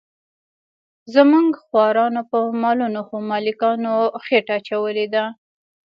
زموږ خوارانو په مالونو خو ملکانو خېټه اچولې ده.